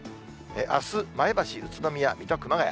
あす、前橋、宇都宮、水戸、熊谷。